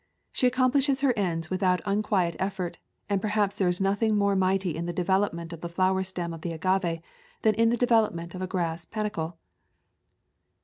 She accomplishes her ends with out unquiet effort, and perhaps there is nothing more mighty in the development of the flower stem of the agave than in the development of a grass panicle.